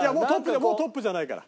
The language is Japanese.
もうトップじゃないから。